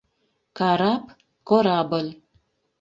Карап — корабль.